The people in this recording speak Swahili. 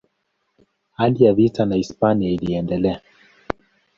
Hali ya vita na Hispania iliendelea.